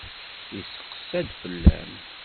Yesseqsa-d fell-am.